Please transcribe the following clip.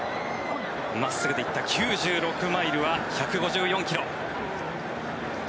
真っすぐで行った９６マイルは１５４ｋｍ。